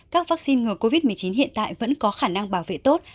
các vaccine ngừa covid một mươi chín hiện tại vẫn có khả năng bảo vệ tốt